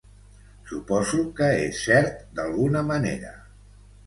Suposo que és cert d'alguna manera.